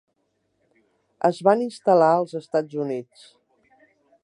Es van instal·lar als Estats Units.